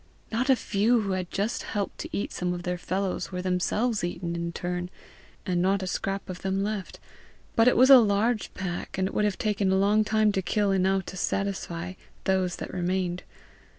Not a few who had just helped to eat some of their fellows, were themselves eaten in turn, and not a scrap of them left; but it was a large pack, and it would have taken a long time to kill enough to satisfy those that remained.